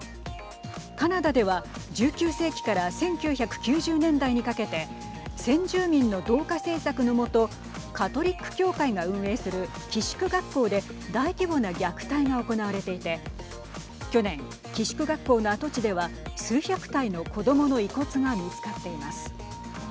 カナダでは、１９世紀から１９９０年代にかけて先住民の同化政策の下カトリック教会が運営する寄宿学校で大規模な虐待が行われていて去年、寄宿学校の跡地では数百体の子どもの遺骨が見つかっています。